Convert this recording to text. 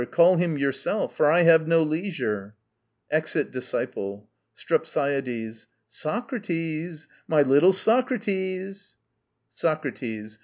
Call him yourself; I have no time to waste. STREPSIADES. Socrates! my little Socrates! SOCRATES.